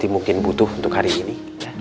mungkin butuh untuk hari ini